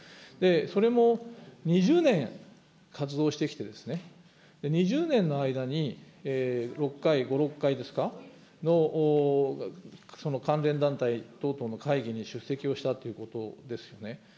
それも２０年活動してきて、２０年の間に６回、５、６回ですか、の関連団体等々の会議に出席をしたということですよね。